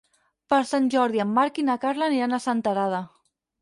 Per Sant Jordi en Marc i na Carla aniran a Senterada.